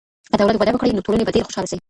که دولت وده وکړي، نو ټولني به ډېره خوشحاله سي.